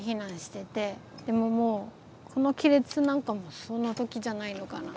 でももうこの亀裂なんかもその時じゃないのかな。